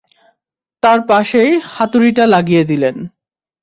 তার পাশেই হাতুড়িটা লাগিয়ে দিলেন।